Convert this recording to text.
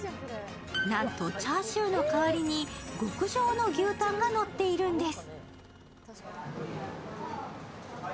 なんとチャーシューの代わりに極上の牛たんが乗っているんです。